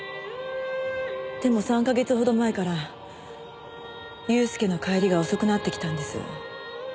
でも３か月ほど前から祐介の帰りが遅くなってきたんです。